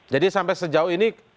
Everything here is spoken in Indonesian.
jadi sampai sejauh ini